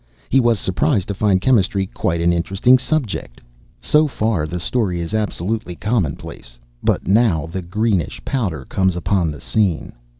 He was surprised to find chemistry quite an interesting subject. So far the story is absolutely commonplace. But now the greenish powder comes upon the scene.